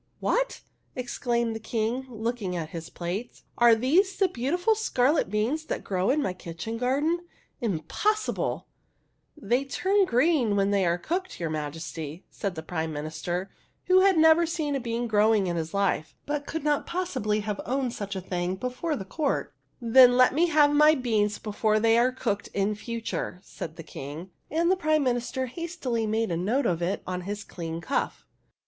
" What ?" exclaimed the King, looking at his plate. "Are these the beautiful scarlet beans that grow in my kitchen garden? Im possible !" "They turn green when they are cooked, your Majesty," said the Prime Minister, who had never seen a bean growing in his life but could not possibly have owned such a thing before the court. THE HUNDREDTH PRINCESS S9 "Then let me have my beans before they are cooked, in future," said the King ; and the Prime Minister hastily made a note of it on his clean cuff.